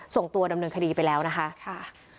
ส่งตัวดำเนินคดีไปแล้วนะคะ